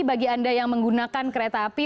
bagi anda yang menggunakan kereta api